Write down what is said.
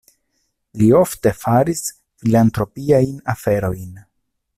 Li ofte faris filantropiajn aferojn.